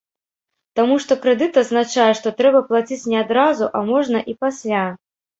Таму што крэдыт азначае, што трэба плаціць не адразу, а можна і пасля.